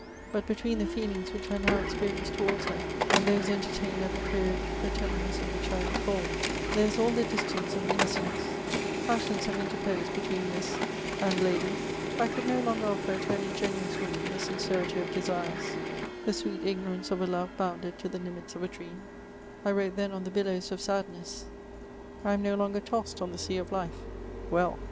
But between the feelings which I now experience towards her, and those entertained at the period the tenderness of which I recal, there is all the distance of innocence: passions hare interposed between Miss — and Lady . I could no longer offer to an ingenuous woman the sincerity of desires, the sweet ignorance of a lore botmded to the limits of a dream. I wrote then on the billows of sadhess ; I am no longer tossed on the sea of life. Well